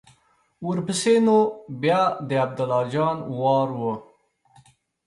ورپسې نو بیا د عبدالله جان وار و.